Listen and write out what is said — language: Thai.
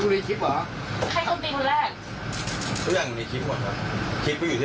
ทำไมเราถึงทำน้องแบบนั้นอ่ะ